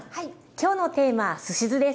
今日のテーマはすし酢です。